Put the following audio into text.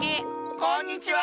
こんにちは！